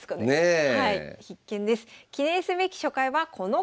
え？